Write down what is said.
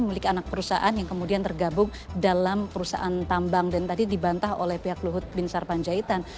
milik anak perusahaan yang kemudian tergabung dalam perusahaan tambang dan tadi dibantah oleh pihak luhut bin sarpanjaitan